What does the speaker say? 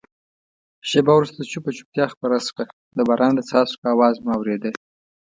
شېبه وروسته چوپه چوپتیا خپره شوه، د باران د څاڅکو آواز مو اورېده.